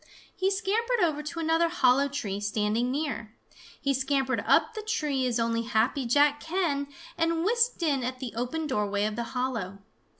He scampered over to another hollow tree standing near. He scampered up the tree as only Happy Jack can and whisked in at the open doorway of the hollow.